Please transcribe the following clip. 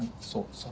そう。